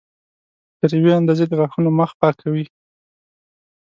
تر یوې اندازې د غاښونو مخ پاکوي.